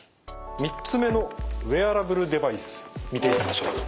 ３つ目のウェアラブルデバイス見ていきましょう。